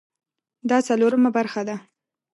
دا څلورمه برخه ده